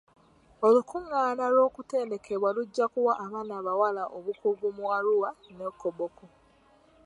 Olukungaana lw'okutendekebwa lujja kuwa baana bawala obukugu mu Arua ne Koboko.